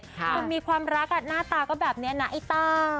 คุณมีความรักหน้าตาก็แบบนี้นะไอ้ต้า